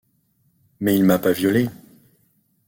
Mais il m’a pas violée. ..